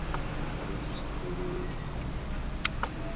একত্রে আমরা মৃত্যুর বীজ বপন করবো রণাঙ্গনে!